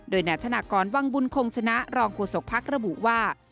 โดยนายธนากรวังบุญคงชนะรองโฆษกภักดิ์ระบุว่า